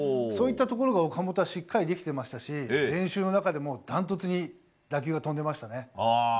そういったところが岡本はしっかりできてましたし練習の中でもダントツに打球が飛んでいましたね。